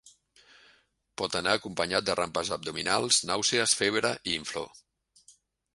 Pot anar acompanyat de rampes abdominals, nàusees, febre i inflor.